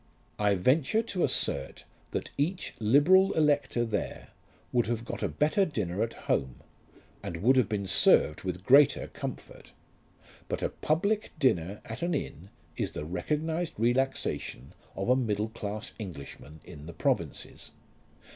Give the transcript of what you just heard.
I venture to assert that each liberal elector there would have got a better dinner at home, and would have been served with greater comfort; but a public dinner at an inn is the recognized relaxation of a middle class Englishman in the provinces.